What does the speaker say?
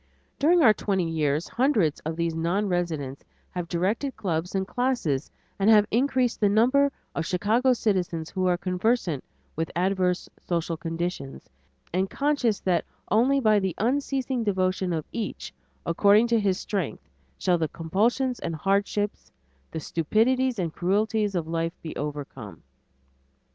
During our twenty years hundreds of these non residents have directed clubs and classes, and have increased the number of Chicago citizens who are conversant with adverse social conditions and conscious that only by the unceasing devotion of each, according to his strength, shall the compulsions and hardships, the stupidities and cruelties of life be overcome.